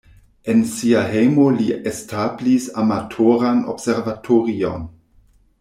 En sia hejmo li establis amatoran observatorion.